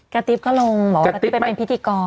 กระติ๊บก็ลงบอกว่ากระติ๊บไปเป็นพิธีกร